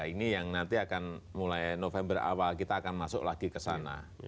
ini yang nanti akan mulai november awal kita akan masuk lagi ke sana